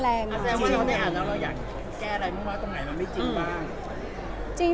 มีอัพเพอกับเราอยากแก้อะไรตรงไหนมันไม่จริงบ้าง